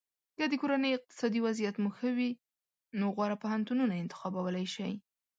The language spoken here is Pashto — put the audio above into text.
که د کورنۍ اقتصادي وضعیت مو ښه وي نو غوره پوهنتونونه انتخابولی شی.